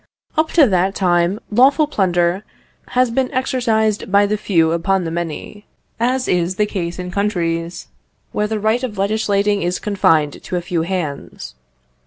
Up to that time, lawful plunder has been exercised by the few upon the many, as is the case in countries where the right of legislating is confined to a few hands.